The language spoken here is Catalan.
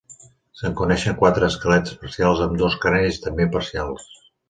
Se'n coneixen quatre esquelets parcials amb dos cranis també parcials.